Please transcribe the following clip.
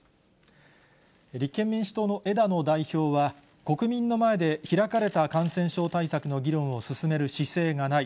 立憲民主党の枝野代表は、国民の前で開かれた感染症対策の議論を進める姿勢がない。